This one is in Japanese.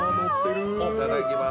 いただきまーす。